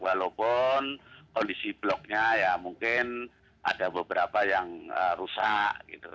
walaupun kondisi bloknya ya mungkin ada beberapa yang rusak gitu